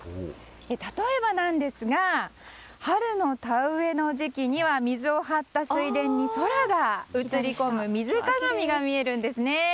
例えばなんですが春の田植えの時期には水を張った水田に空が映り込む水鏡が見えるんですね。